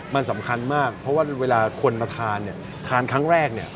มันสำคัญมากเพราะว่าเวลาคนมาทานเนี่ยทานครั้งแรกเนี่ย